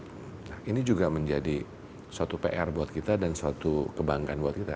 nah ini juga menjadi suatu pr buat kita dan suatu kebanggaan buat kita